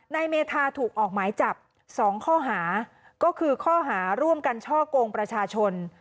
เมธาถูกออกหมายจับ๒ข้อหาก็คือข้อหาร่วมกันช่อกงประชาชน